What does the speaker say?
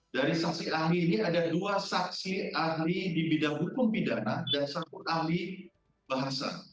dari saksi ahli ini ada dua saksi ahli di bidang hukum pidana dan satu ahli bahasa